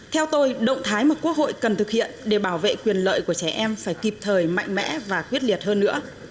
theo tôi động thái mà quốc hội cần thực hiện để bảo vệ quyền lợi của trẻ em phải kịp thời mạnh mẽ và quyết liệt hơn nữa